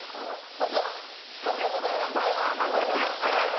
まずは田村真子アナウンサー。